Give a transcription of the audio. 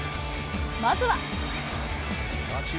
まずは。